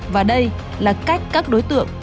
và đây là cách các đối tượng